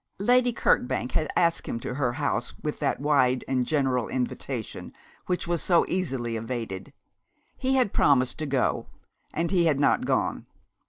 Lady Kirkbank had asked him to her house with that wide and general invitation which is so easily evaded. He had promised to go, and he had not gone.